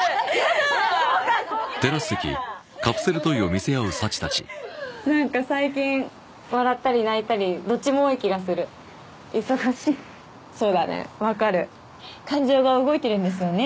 交換交換やだやだははははっなんか最近笑ったり泣いたりどっちも多い気がする忙しいそうだねわかる感情が動いてるんですよね